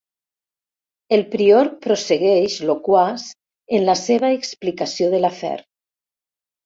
El prior prossegueix, loquaç, en la seva explicació de l'afer.